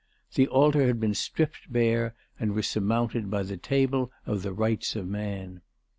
The altar had been stripped bare and was surmounted by the Table of the Rights of Man.